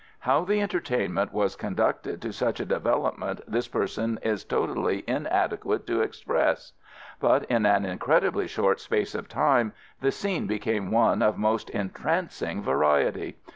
How the entertainment was conducted to such a development this person is totally inadequate to express; but in an incredibly short space of time the scene became one of most entrancing variety.